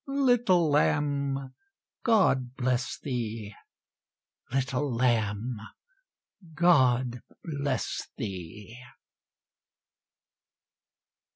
Little lamb, God bless thee! Little lamb, God bless thee!